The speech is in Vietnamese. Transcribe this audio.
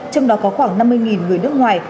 trong đó có khoảng năm mươi người nước ngoài